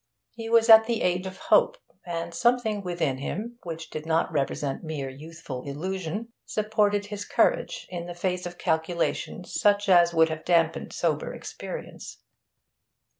He was at the age of hope, and something within him, which did not represent mere youthful illusion, supported his courage in the face of calculations such as would have damped sober experience.